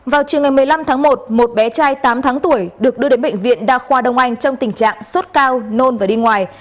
vào chiều ngày một mươi năm tháng một một bé trai tám tháng tuổi được đưa đến bệnh viện đa khoa đông anh trong tình trạng sốt cao nôn và đi ngoài